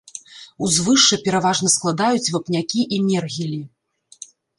Узвышша пераважна складаюць вапнякі і мергелі.